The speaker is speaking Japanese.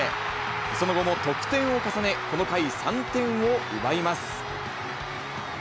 その後も得点を重ね、この回、３点を奪います。